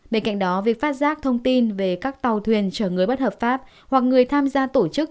bên cạnh đó việc phát giác thông tin về các tàu thuyền chở người bất hợp pháp hoặc người tham gia tổ chức